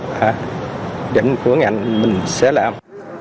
và dẫn của ngành mình sẽ làm